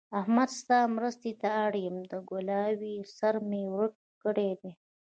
احمده! ستا مرستې ته اړ يم؛ د کلاوې سر مې ورک کړی دی.